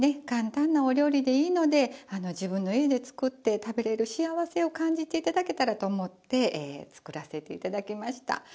簡単なお料理でいいので自分の家で作って食べられる幸せを感じて頂けたらと思って作らせて頂きました。